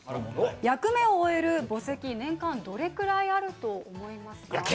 役目を終える墓石、年間どれくらいあると思いますか。